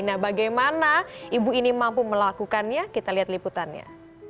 nah bagaimana ibu ini mampu melakukannya kita lihat liputannya